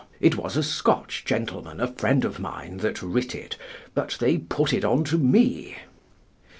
It was a Scotch gentleman, a friend of mine, that writ it; but they put it on to me."